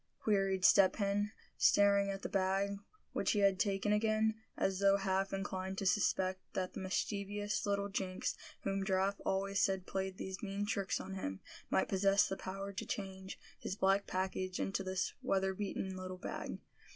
queried Step Hen, staring at the bag, which he had taken again, as though half inclined to suspect that the mischievous little jinx, whom Giraffe always said played these mean tricks on him, might possess the power to change his black package into this weatherbeaten little bag.